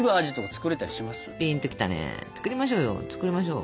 作りましょう。